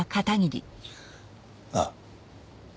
ああ。